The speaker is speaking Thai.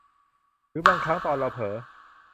หรือบางครั้งตอนเราเผลอ